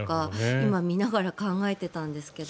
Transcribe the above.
今、見ながら考えてたんですけど。